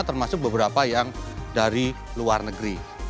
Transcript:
termasuk beberapa yang dari luar negeri